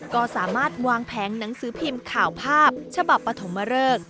ก็สามารถวางแผงหนังสือพิมพ์ข่าวภาพฉบับปฐมเริก